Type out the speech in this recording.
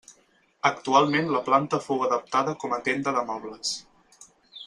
Actualment la planta fou adaptada com a tenda de mobles.